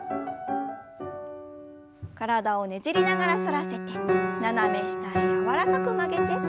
体をねじりながら反らせて斜め下へ柔らかく曲げて。